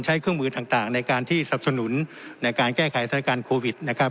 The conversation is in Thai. เครื่องมือต่างในการที่สับสนุนในการแก้ไขสถานการณ์โควิดนะครับ